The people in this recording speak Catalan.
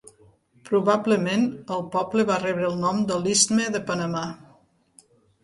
Probablement el poble va rebre el nom de l'istme de Panamà.